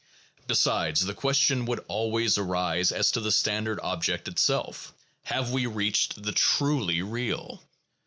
Besides, the question would always arise as to the standard object itself: Have we reached the truly real?